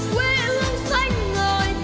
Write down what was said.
quy ương xanh ngời